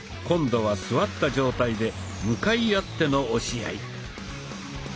今度は座った状態で向かい合っての押し合い。